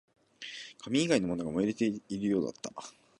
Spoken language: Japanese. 紙以外のものも燃えているようだった